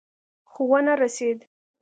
خو ونه رسېد.